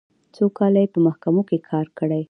څو کاله یې په محکمو کې کار کړی.